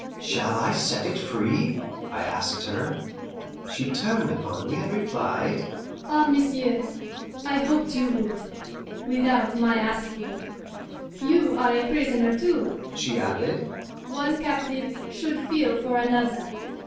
"Shall I set it free?" I asked her. She turned upon me and replied, "Ah, monsieur, I hoped you would without my asking. You are a prisoner too," she added; "one captive should feel for another."